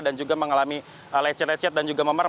dan juga mengalami lecet lecet dan juga memar